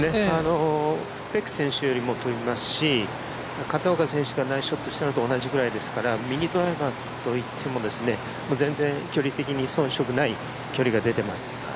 ペク選手より、飛びますし片岡選手がナイスショットしたのと同じぐらいですから右ドライバーといっても全然、距離的に遜色ない距離が出ています。